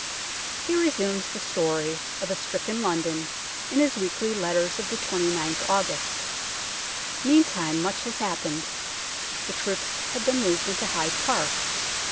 He resumes the story of a stricken London in his weekly letters of the 2gth August. Meantime much had happened. The troops had been moved into Hyde Park.